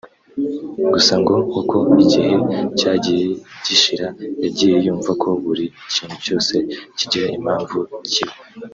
gusa ngo uko igihe cyagiye gishira yagiye yumva ko buri kintu cyose kigira impamvu kiba